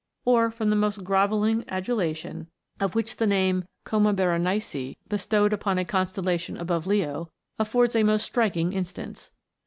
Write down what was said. or from the most grovelling adulation of which the name of Coma Berenices, bestowed upon a constellation above Leo, affords a most striking instance.